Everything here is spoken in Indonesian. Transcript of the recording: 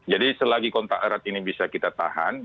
jadi selagi kontak erat ini bisa kita tahan